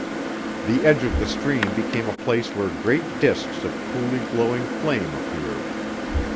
The edge of the stream became a place where great disks of coolly glowing flame appeared.